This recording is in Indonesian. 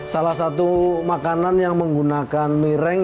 salah satu makanan yang menggunakan miring